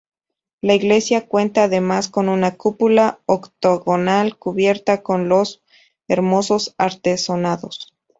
La iglesia cuenta además con una cúpula octogonal cubierta con unos hermosos artesonados.